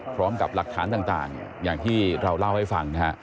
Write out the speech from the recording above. พร้อมกับหลักฐานต่างอย่างที่เราเล่าให้ฟังนะฮะ